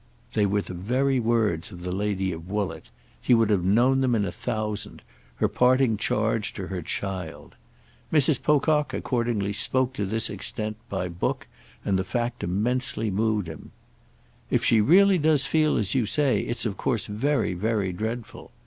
They were the very words of the lady of Woollett—he would have known them in a thousand; her parting charge to her child. Mrs. Pocock accordingly spoke to this extent by book, and the fact immensely moved him. "If she does really feel as you say it's of course very very dreadful.